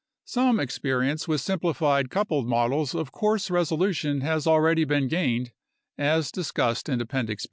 Some experi ence with simplified coupled models of coarse resolution has already been gained, as discussed in Appendix B.